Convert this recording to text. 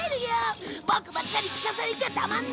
ボクばっかり聴かされちゃたまんない